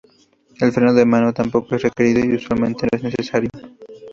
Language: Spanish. El freno de mano tampoco es requerido y usualmente no es necesario.